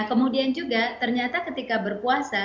kemudian juga ternyata ketika berpuasa